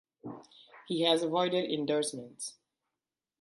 He has avoided endorsements.